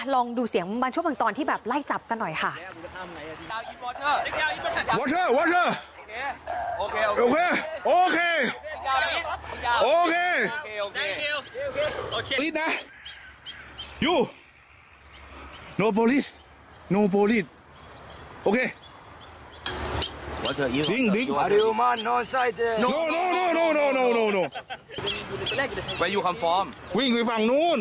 ลองดูเสียงบางช่วงบางตอนที่แบบไล่จับกันหน่อยค่ะ